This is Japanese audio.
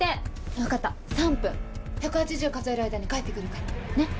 分かった３分１８０数える間に帰って来るからねっ？